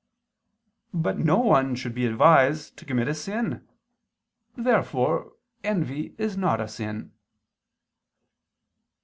But no one should be advised to commit a sin. Therefore envy is not a sin.